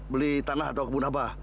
beli tanah atau kebun apa